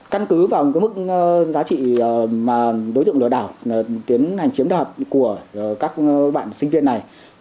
căn cứ vào cái mức giá trị mà đối tượng lừa đảo tiến hành chiếm đoạt của các bạn sinh viên này